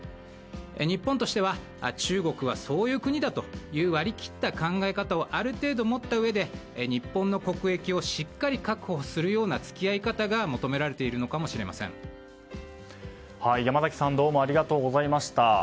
日本としては中国はそういう国だと割り切った考え方もある程度、持ったうえで日本の国益をしっかり確保するような付き合い方が山崎さんどうもありがとうございました。